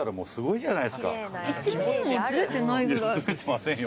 １ｍｍもずれてないぐらいずれてませんよ